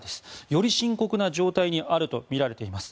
より深刻な状態にあるとみられています。